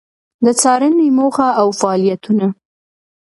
د څــارنـې موخـه او فعالیـتونـه: